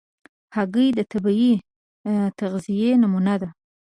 هګۍ د طبیعي تغذیې نمونه ده.